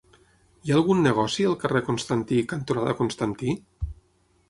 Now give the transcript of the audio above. Hi ha algun negoci al carrer Constantí cantonada Constantí?